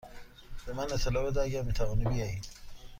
به من اطلاع بده اگر می توانی بیایی.